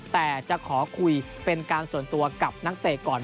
แต่จะขอคุยเป็นการส่วนตัวกับนักเตะก่อน